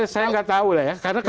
saya nggak tahu lah ya